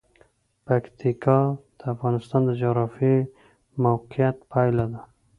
پکتیکا د افغانستان د جغرافیایي موقیعت پایله ده.